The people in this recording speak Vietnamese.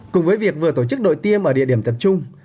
cùng với việc vừa tổ chức đội tiêm ở địa điểm tập trung